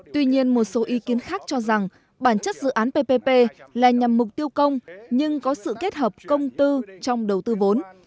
tuy nhiên một số ý kiến khác cho rằng bản chất dự án ppp là nhằm mục tiêu công nhưng có sự kết hợp công tư trong đầu tư vốn